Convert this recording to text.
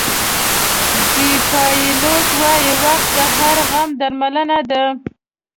ډیپایلوس وایي وخت د هر غم درملنه ده.